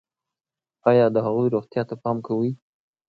ایا د هغوی روغتیا ته پام کوئ؟